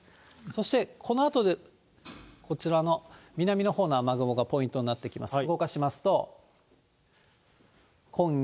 そしてこのあと、こちらの南のほうの雨雲がポイントになってきます。